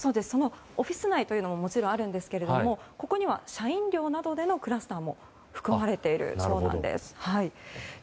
オフィス内というのももちろんあるんですけれどもここには社員寮などでのクラスターも含まれているそうなんです。